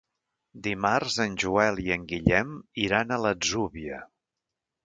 Dimarts en Joel i en Guillem iran a l'Atzúbia.